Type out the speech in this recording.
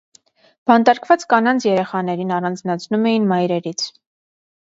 Բանտարկված կանանց երեխաներին առանձնացնում էին մայրերից։